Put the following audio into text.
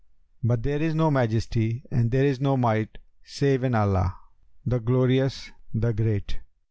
But there is no Majesty and there is no Might save in Allah, the Glorious, the Great!'